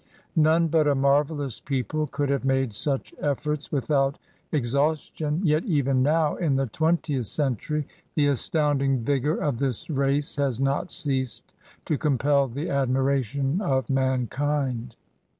None but a marvellous people could have made such efforts without exhaustion, yet even now in the twentieth century the astounding vigor of this race has not ceased to compel the admira tion of mankind.